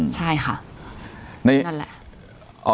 ใช่ค่ะนั่นแหละ